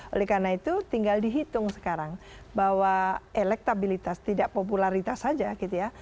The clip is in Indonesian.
oleh karena itu tinggal dihitung sekarang bahwa elektabilitas tidak popularitas saja gitu ya